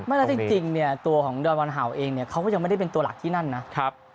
ไม่แล้วจริงตัวของดวนวันเห่าเองเขาก็ยังไม่ได้เป็นตัวหลักที่นั่นนะครับ